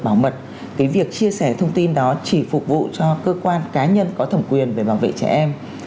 bảo mật cái việc chia sẻ thông tin đó chỉ phục vụ cho cơ quan cá nhân có thẩm quyền về bảo vệ trẻ em